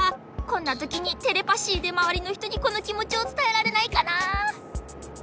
こんなときにテレパシーでまわりのひとにこのきもちをつたえられないかな。